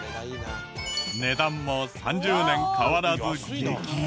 値段も３０年変わらず激安。